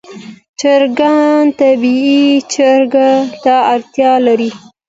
چرګان طبیعي چرګړ ته اړتیا لري.